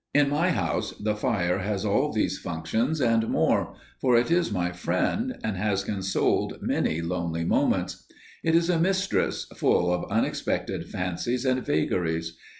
In my house the fire has all these functions and more, for it is my friend and has consoled many lonely moments. It is a mistress, full of unexpected fancies and vagaries.